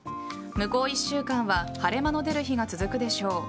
向こう１週間は晴れ間の出る日が続くでしょう。